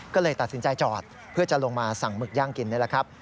ก็เลยตัดสินใจจอดเพื่อจะลงมาสั่งหมึกย่างกินนี่แหละครับ